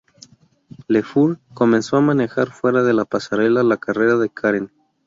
Le Fur comenzó a manejar fuera de la pasarela la carrera de Karen.